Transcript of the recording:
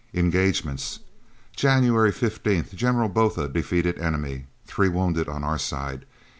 Engagements: January 15th General Botha defeated enemy. Three wounded on our side.